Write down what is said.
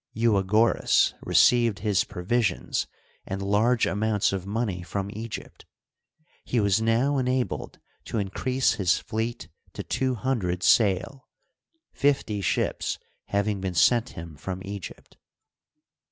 Euagoras received his provisions and large amounts of money from Egypt. He was now enabled to increase his fleet to two hundred sail, fifty ships hav ing been sent him from Egypt.